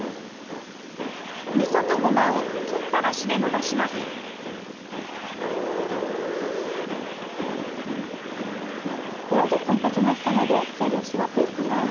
みそとゴマをとったダシでのばしますでは１０分たちましたのでキュウリをしぼっていきます。